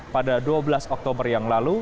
pada dua belas oktober yang lalu